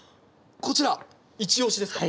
こちらイチオシですか？